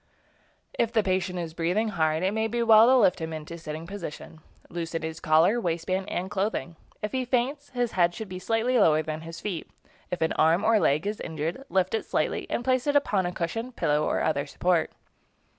If the patient is breathing hard, it may be well to lift him into a sitting position. Loosen his collar, waist band, and clothing. If he faints, his head should be slightly lower than his feet. If an arm or leg is injured, lift it slightly and place it upon a cushion, pillow, or other support.